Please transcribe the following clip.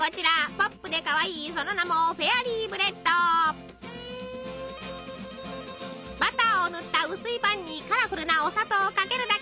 ポップでかわいいその名もバターを塗った薄いパンにカラフルなお砂糖をかけるだけ。